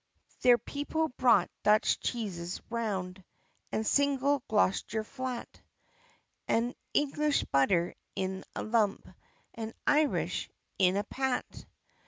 There people bought Dutch cheeses round, And single Glo'ster flat, And English butter in a lump, And Irish in a pat.